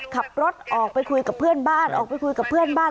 ขับรถออกไปคุยกับเพื่อนบ้านออกไปคุยกับเพื่อนบ้าน